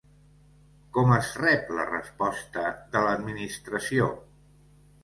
Com es rep la resposta de l'Administració?